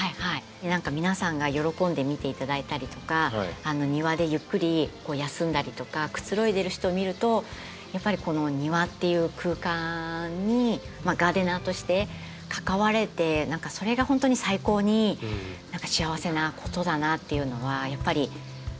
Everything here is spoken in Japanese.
何か皆さんが喜んで見ていただいたりとか庭でゆっくり休んだりとかくつろいでる人を見るとやっぱりこの庭っていう空間にガーデナーとして関われて何かそれが本当に最高に幸せなことだなっていうのはやっぱりそうですね